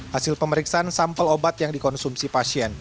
hasil pemeriksaan sampel obat yang dikonsumsi pasien